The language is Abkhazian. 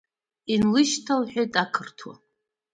Инлышьҭалҳәеит ақырҭуа!